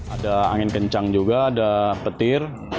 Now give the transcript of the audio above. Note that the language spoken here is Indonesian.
ada angin kencang juga ada petir